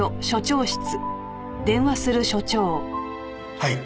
はい。